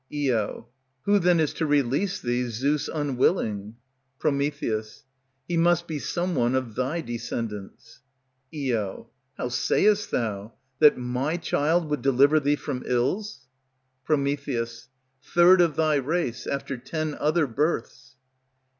Io. Who, then, is to release thee, Zeus unwilling? Pr. He must be some one of thy descendants. Io. How sayest thou? that my child will deliver thee from ills? Pr. Third of thy race after ten other births.